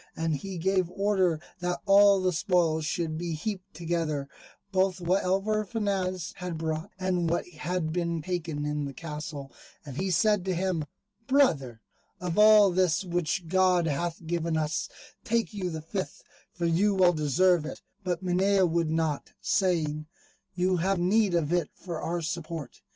And he gave order that all the spoils should be heaped together, both what Alvar Fanez had brought, and what had been taken in the castle; and he said to him, "Brother, of all this which God hath given us, take you the fifth, for you well deserve it"; but Minaya would not, saying, "You have need of it for our support."